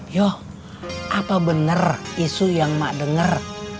yoh apa benar isu yang mak dengar